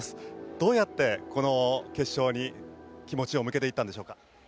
どうやってこの決勝に気持ちを向けていったんでしょうか。